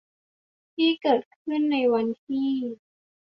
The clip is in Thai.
ที่เกิดขึ้นในวันที่